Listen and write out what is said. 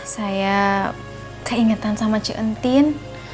saya keingetan sama cik entin